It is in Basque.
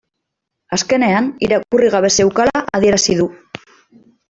Azkenean irakurri gabe zeukala adierazi du